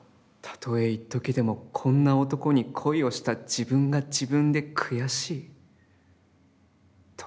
たとえ一時でも、こんな男に恋をした自分が自分で口惜しい、とね。